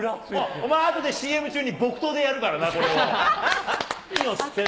お前、あとでＣＭ中に木刀でやるからな、これを。